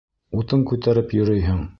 Утын күтәреп йөрөйһөң.